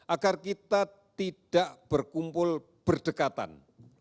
agar kita tidak berkumpul berdekatan